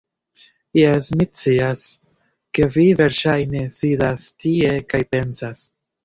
Jes, mi scias, ke vi verŝajne sidas tie kaj pensas